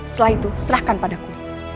setelah itu serahkan padaku